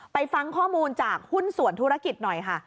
ฟังข้อมูลจากหุ้นส่วนธุรกิจหน่อยค่ะ